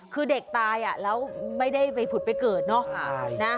คือเด็กตายแล้วไม่ได้ไปผุดไปเกิดเนอะ